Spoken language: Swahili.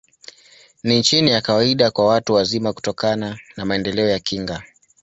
Ni chini ya kawaida kwa watu wazima, kutokana na maendeleo ya kinga.